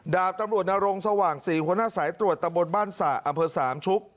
ดาบตำรวจนรงสว่างศรีหัวหน้าสายตรวจตะบนบ้านสระอำเภอสามชุก